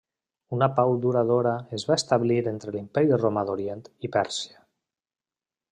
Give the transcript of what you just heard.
Una pau duradora es va establir entre l'Imperi Romà d'Orient i Pèrsia.